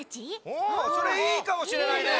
おそれいいかもしれないね。